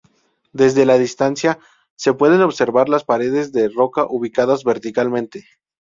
Desde la distancia, se pueden observar las paredes de roca ubicadas verticalmente.